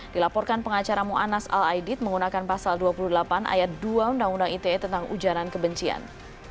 dilaporkan pengacara ⁇ muannas ⁇ al aidid menggunakan pasal dua puluh delapan ayat dua undang undang ite tentang ujaran kebencian